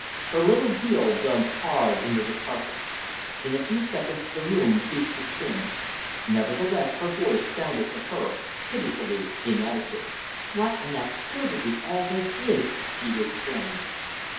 Her little heel dug hard into the carpet. In a few seconds the room ceased to spin. Nevertheless, her voice sounded to her pitifully inadequate. "What an absurdity all this is!" she exclaimed.